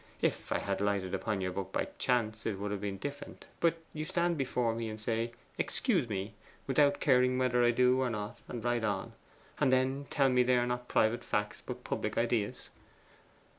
If I had lighted upon your book by chance, it would have been different; but you stand before me, and say, "Excuse me," without caring whether I do or not, and write on, and then tell me they are not private facts but public ideas.